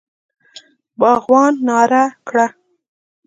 باغوان ناره کړه!